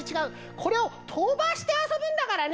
これをとばしてあそぶんだからね。